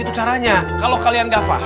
oh si bakalan